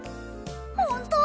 本当？